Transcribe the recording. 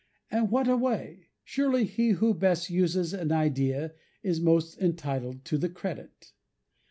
And what a way! Surely he who best uses an idea is most entitled to the credit.